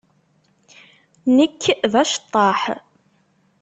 Nekk d aceṭṭaḥ.